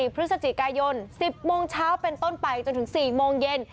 พฤศจิกายน๑๐โมงเช้าเป็นต้นไปจนถึง๔โมงเย็น